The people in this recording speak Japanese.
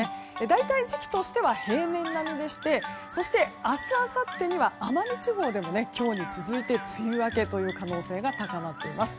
大体時期としては平年並みでしてそして明日あさってには奄美地方でも、今日に続いて梅雨明けという可能性が高まっています。